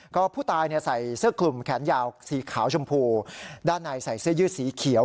ก็ผู้ตายใส่เสื้อคลุมแขนยาวสีขาวชมพูด้านในใส่เสื้อยืดสีเขียว